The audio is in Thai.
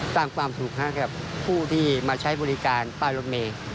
สร้างความสุขให้กับผู้ที่มาใช้บริการป้ายรถเมย์